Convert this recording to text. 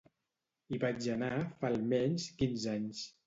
Hi vaig anar fa almenys quinze anys.